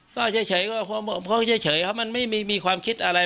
ก็เฉยเฉยก็เพราะเพราะเฉยเฉยเพราะมันไม่มีมีความคิดอะไร